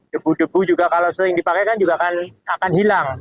debu debu juga kalau sering dipakai kan juga akan hilang